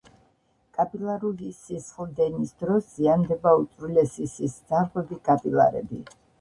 კაპილარული სისხლდენის დროს ზიანდება უწვრილესი სისხლძარღვები -კაპილარები